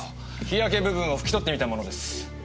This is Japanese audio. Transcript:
日焼け部分を拭き取ってみたものです。